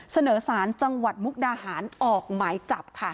เสนอสารจังหวัดมุกดาหารออกหมายจับค่ะ